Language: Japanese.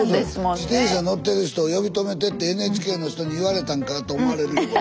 「自転車乗ってる人を呼び止めて」ってＮＨＫの人に言われたんかなと思われるよこれ。